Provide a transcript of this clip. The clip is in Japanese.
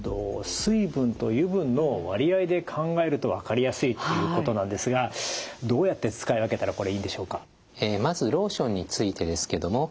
水分と油分の割合で考えると分かりやすいっていうことなんですがどうやって使い分けたらこれいいんでしょうか？